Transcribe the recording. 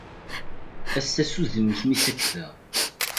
Ass-a s udem-ik mi sekdeɣ.